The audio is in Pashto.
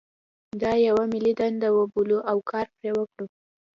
دا یوه ملي دنده وبولو او کار پرې وکړو.